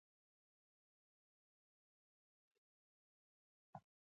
نه، هر څه به عادي وي، ته باید ګردسره پرېشانه نه شې.